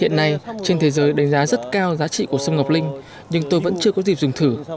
hiện nay trên thế giới đánh giá rất cao giá trị của sâm ngọc linh nhưng tôi vẫn chưa có dịp dùng thử